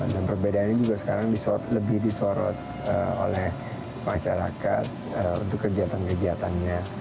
dan perbedaannya juga sekarang lebih disorot oleh masyarakat untuk kegiatan kegiatannya